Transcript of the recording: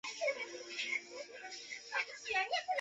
山阴本线。